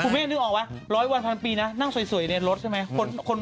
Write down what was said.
แม่นึกออกไหมร้อยวันพันปีนะนั่งสวยในรถใช่ไหม